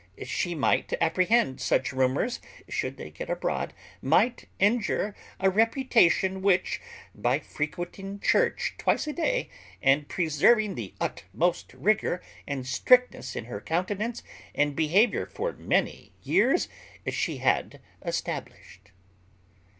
She might apprehend such rumours, should they get abroad, might injure a reputation which, by frequenting church twice a day, and preserving the utmost rigour and strictness in her countenance and behaviour for many years, she had established.